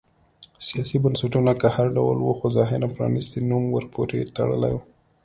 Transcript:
سیاسي بنسټونه که هر ډول و خو ظاهراً پرانیستی نوم ورپورې تړلی و.